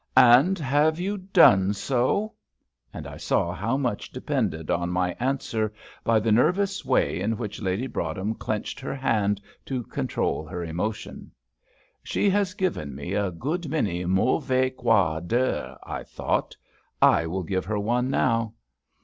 "And have you done so?" and I saw how much depended on my answer by the nervous way in which Lady Broadhem clenched her hand to control her emotion: she has given me a good many mauvais quarts d'heures, I thought I will give her one now.